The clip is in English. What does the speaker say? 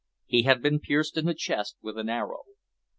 He had been pierced in the chest with an arrow.